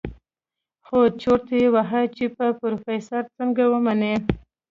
خو چورت يې وهه چې په پروفيسر يې څنګه ومني.